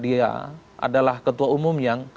dia adalah ketua umum yang